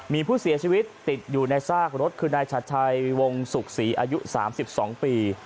มีผู้เสียชีวิตติดอยู่ในซากรถคือนายชัดชัยวงศุกร์ศรีอายุ๓๒ปี